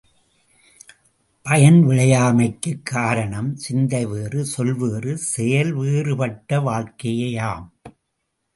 பயன் விளையாமைக்குக் காரணம் சிந்தை வேறு, சொல் வேறு, செயல் வேறு பட்ட வாழ்க்கையேயாம்.